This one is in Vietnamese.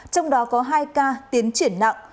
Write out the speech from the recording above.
trong đó có hai ca tiến triển nặng